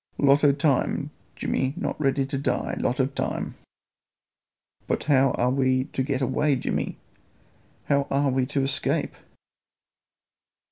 Lot o' time; Jimmy not ready die lot o' time!" "But how are we to get away, Jimmy? How are we to escape?"